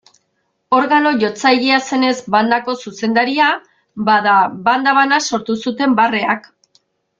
Organo-jotzailea zenez bandako zuzendaria, bada, banda bana sortu zuten barreak.